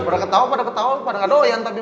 pada ketawa pada ketawa pada doyan tapi